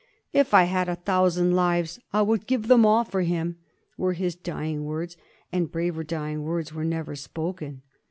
^' If I had a thousand lives I would give them all for him " were his dying words, and braver dying words were never spoken.